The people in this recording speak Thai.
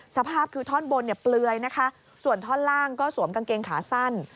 สภาพคือท่อนบนเนี่ยเปลือยนะคะส่วนท่อนล่างก็สวมกางเกงขาสั้น